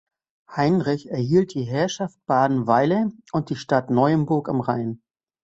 Heinrich erhielt die Herrschaft Badenweiler und die Stadt Neuenburg am Rhein.